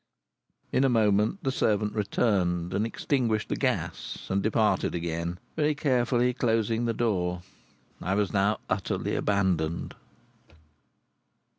In a moment the servant returned and extinguished the gas, and departed again, very carefully closing the door. I was now utterly abandoned.